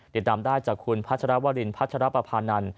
ติดตามได้จากคุณพัชรวรินพัชรปภานันท